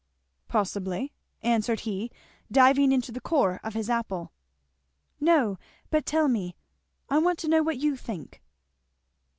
"Possibly," answered he, diving into the core of his apple. "No, but tell me; I want to know what you think."